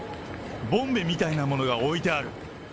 ボンベみたいなものが置いてある。